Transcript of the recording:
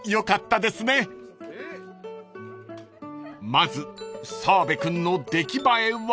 ［まず澤部君の出来栄えは］